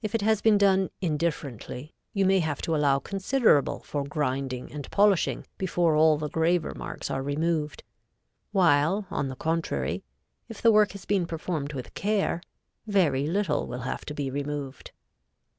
If it has been done indifferently, you may have to allow considerable for grinding and polishing before all the graver marks are removed, while, on the contrary, if the work has been performed with care, very little will have to be removed.